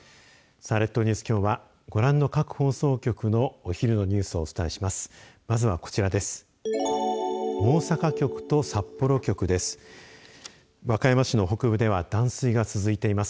さあ、列島ニュース、きょうはご覧の各放送局のお昼のニュースをお伝えします。